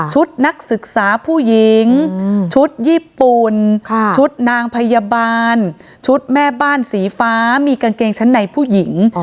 นักศึกษาผู้หญิงชุดญี่ปุ่นชุดนางพยาบาลชุดแม่บ้านสีฟ้ามีกางเกงชั้นในผู้หญิง